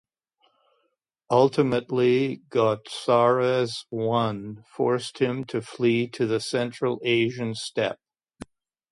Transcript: Ultimately, Gotarzes I forced him to flee to the Central Asian steppe.